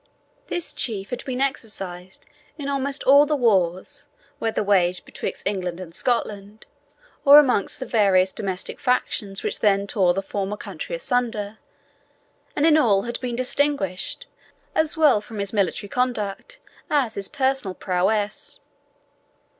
This chief had been exercised in almost all the wars, whether waged betwixt England and Scotland, or amongst the various domestic factions which then tore the former country asunder, and in all had been distinguished, as well from his military conduct as his personal prowess.